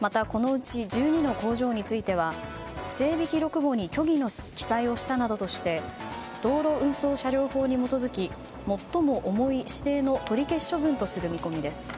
また、このうち１２の工場については整備記録簿に虚偽の記載をしたなどとして道路運送車両法に基づき最も重い指定の取り消し処分とする見込みです。